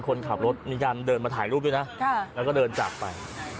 คนขับรถมีการเดินมาถ่ายรูปด้วยนะแล้วก็เดินจากไป